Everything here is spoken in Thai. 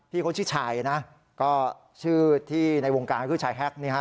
เขาชื่อชายนะก็ชื่อที่ในวงการก็คือชายแฮ็กนี่ฮะ